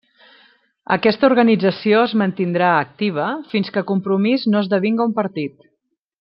Aquesta organització es mantindrà activa fins que Compromís no esdevinga un partit.